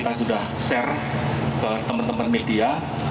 kita sudah share ke teman teman media